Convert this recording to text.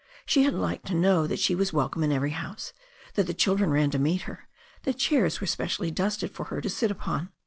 She had liked to know that she was welcome in every house, that the children ran to meet her, that chairs were specially dusted for her to sit upon.